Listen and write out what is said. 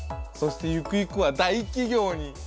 そしてゆくゆくは大企業に！